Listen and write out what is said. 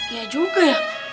ya juga ya